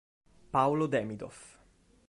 Paolo Demidoff